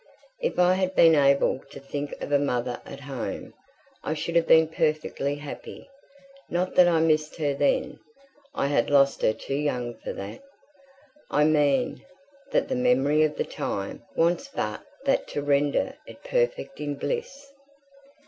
If I had been able to think of a mother at home, I should have been perfectly happy. Not that I missed her then; I had lost her too young for that. I mean that the memory of the time wants but that to render it perfect in bliss.